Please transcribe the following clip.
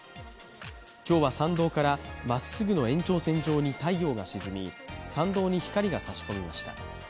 今日は参道から、まっすぐの延長線上に太陽が沈み参道に光が差し込みました。